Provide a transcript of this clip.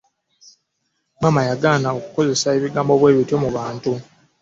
Nze maama yangana okukozesa ebigambo bwebityo mu bantu.